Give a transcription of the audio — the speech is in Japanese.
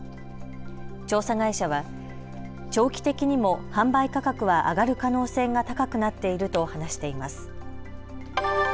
調査会社は長期的にも販売価格は上がる可能性が高くなっていると話しています。